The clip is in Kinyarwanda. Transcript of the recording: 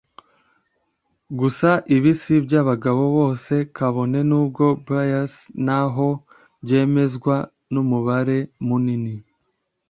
Gusa ibi si iby’abagabo bose kabone n’ubwo bias n’aho byemezwa n’umubare munini